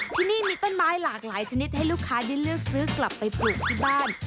ที่นี่มีต้นไม้หลากหลายชนิดให้ลูกค้าได้เลือกซื้อกลับไปปลูกที่บ้าน